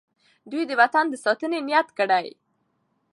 دوی د وطن د ساتنې نیت کړی.